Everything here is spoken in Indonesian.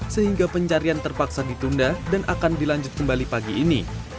sehingga pencarian terpaksa ditunda dan akan dilanjut kembali pagi ini